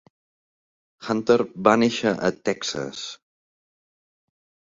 Hunter va néixer a Texas.